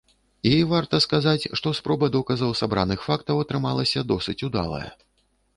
І, варта сказаць, што спроба доказаў сабраных фактаў атрымалася досыць удалая.